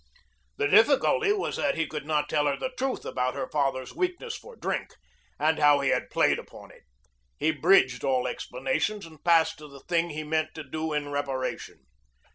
The difficulty was that he could not tell her the truth about her father's weakness for drink and how he had played upon it. He bridged all explanations and passed to the thing he meant to do in reparation.